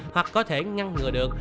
hoặc có thể ngăn ngừa được